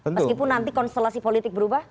meskipun nanti konstelasi politik berubah